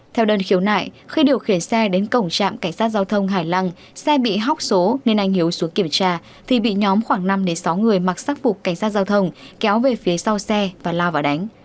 theo đơn khiếu nại khi điều khiển xe đến cổng trạm cảnh sát giao thông hải lăng xe bị hóc số nên anh hiếu xuống kiểm tra thì bị nhóm khoảng năm sáu người mặc sắc phục cảnh sát giao thông kéo về phía sau xe và lao vào đánh